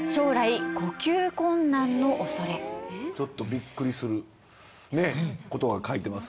ちょっとビックリすることが書いてます。